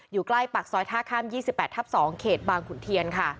อยู่ใกล้ปากซอยท่าข้าม๒๘ทับ๒เขตบางขุนเทียนค่ะ